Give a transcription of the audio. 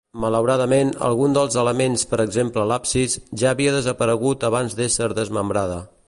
Malauradament, algun dels elements, per exemple l'absis, ja havia desaparegut abans d'ésser desmembrada.